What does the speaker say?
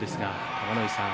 玉ノ井さん